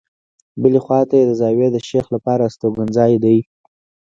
بلې خواته یې د زاویې د شیخ لپاره استوګنځای دی.